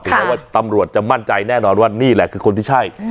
แม้ว่าตำรวจจะมั่นใจแน่นอนว่านี่แหละคือคนที่ใช่